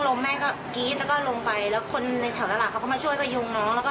แล้วก็ปีนกันอย่างน้อยว่าผมจะไม่ถึงรถสินะ